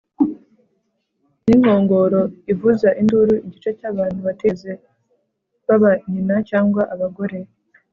Ninkongoro ivuza induru igice cyabantu batigeze baba nyina cyangwa abagore